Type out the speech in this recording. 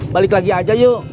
balik lagi aja yuk